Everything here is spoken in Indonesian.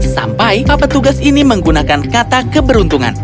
sampai papa tugas ini menggunakan kata keberuntungan